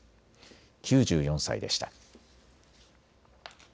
９４歳でした。